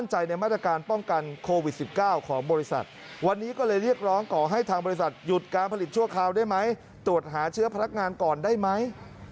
หยุดการผลิตชั่วคราวได้ไหมตรวจหาเชื้อพนักงานก่อนได้ไหม